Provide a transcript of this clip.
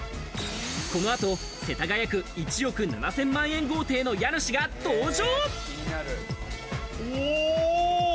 この後、世田谷区、１億７０００万円豪邸の家主が登場。